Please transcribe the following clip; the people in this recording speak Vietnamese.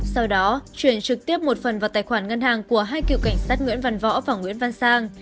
sau đó chuyển trực tiếp một phần vào tài khoản ngân hàng của hai cựu cảnh sát nguyễn văn võ và nguyễn văn sang